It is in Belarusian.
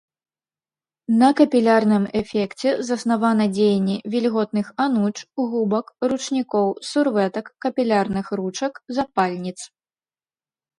На капілярным эфекце заснавана дзеянне вільготных ануч, губак, ручнікоў, сурвэтак, капілярных ручак, запальніц.